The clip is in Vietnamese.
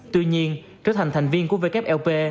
tuy nhiên trở thành thành viên của wlp